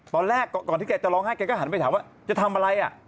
ตอนแรกก่อนที่แกจะร้องไห้แกก็หันไปถามว่าจะทำอะไร